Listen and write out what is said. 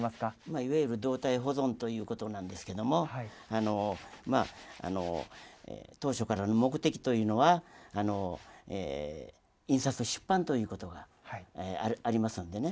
いわゆる動態保存ということなんですけれども当初からの目的というのは印刷と出版ということがありますのでね。